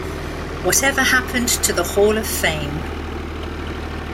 Whatever Happened to the Hall of Fame?